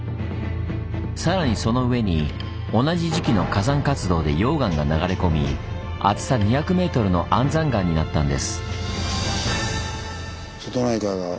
さらにその上に同じ時期の火山活動で溶岩が流れ込み厚さ２００ｍの安山岩になったんです。